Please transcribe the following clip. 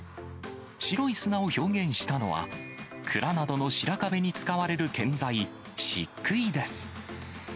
白い砂を表現したのは、蔵などの白壁に使われるげん剤、しっくいです。